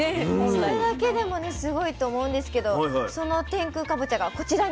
それだけでもねすごいと思うんですけどその天空かぼちゃがこちらになります。